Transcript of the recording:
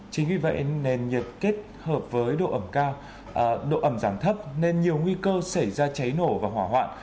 chính vì vậy nền nhiệt kết hợp với độ ẩm cao độ ẩm giảm thấp nên nhiều nguy cơ xảy ra cháy nổ và hỏa hoạn